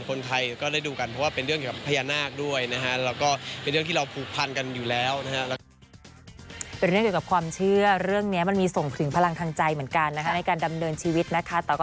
คนไทยก็ได้ดูกันเพราะว่าเป็นเรื่องเกี่ยวกับพญานาคด้วยนะครับ